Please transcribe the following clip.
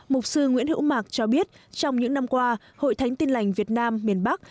mục sư nguyễn hữu mạc cho biết trong những năm qua hội thánh tin lành việt nam miền bắc